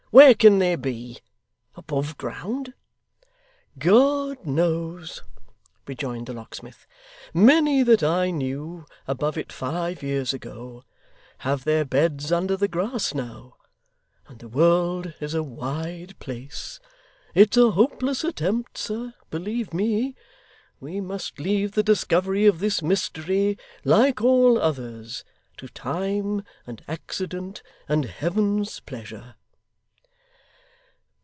'Where can they be? Above ground?' 'God knows,' rejoined the locksmith, 'many that I knew above it five years ago, have their beds under the grass now. And the world is a wide place. It's a hopeless attempt, sir, believe me. We must leave the discovery of this mystery, like all others, to time, and accident, and Heaven's pleasure.